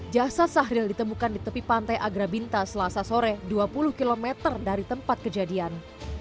jasad sahril ditemukan di tepi pantai agrabinta selasa sore dua puluh km dari tempat kejadian